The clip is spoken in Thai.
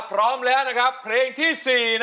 พร้อมแล้วนะครับเพลงที่๔